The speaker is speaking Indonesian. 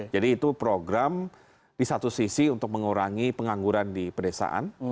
jadi itu program di satu sisi untuk mengurangi pengangguran di pedesaan